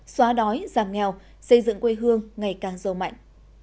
xóa đói giảm nghèo xây dựng quê hương ngày càng giàu mạnh